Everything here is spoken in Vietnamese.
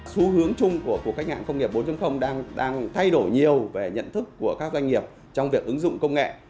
xu hướng chung của khách hàng công nghiệp bốn đang thay đổi nhiều về nhận thức của các doanh nghiệp trong việc ứng dụng công nghệ